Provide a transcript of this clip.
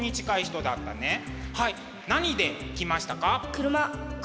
車！